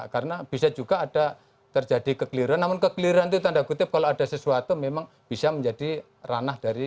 karena bisa juga ada terjadi kekeliruan namun kekeliruan itu tanda kutip kalau ada sesuatu memang bisa menjadi ranah dari